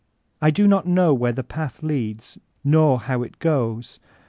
I do not know where the path leads nor how it goes.